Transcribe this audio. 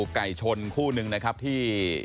ไก่ชนคู่หนึ่งนะครับที่